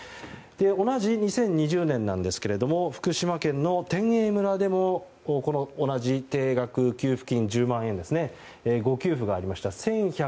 同じ２０２０年ですが福島県の天栄村でも同じ定額給付金１０万円の誤給付がありました。